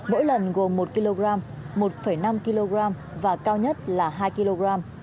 mỗi lần gồm một kg một năm kg và cao nhất là hai kg